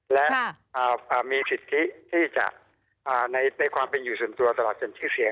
และมีสิทธิที่จะในความเป็นอยู่ส่วนตัวตลอดจนชื่อเสียง